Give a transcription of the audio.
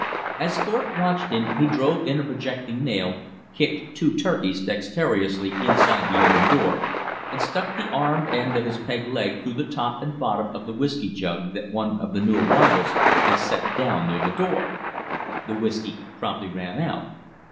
As Thorpe watched him, he drove in a projecting nail, kicked two "turkeys" dexterously inside the open door, and stuck the armed end of his peg leg through the top and bottom of the whisky jug that one of the new arrivals had set down near the door. The whisky promptly ran out.